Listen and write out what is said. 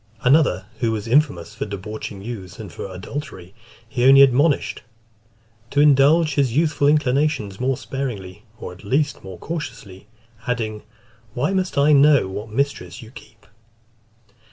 Another, who was infamous for debauching youths and for adultery, he only admonished "to indulge his youthful inclinations more sparingly, or at least more cautiously;" adding, "why must I know what mistress you keep?"